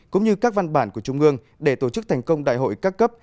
cũng như các văn bản của trung ương để tổ chức thành công đại hội các cấp